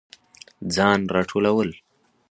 ځان راټولول